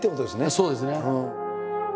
そうですね。